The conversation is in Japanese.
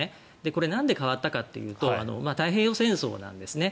これ、なんで変わったかというと太平洋戦争なんですね。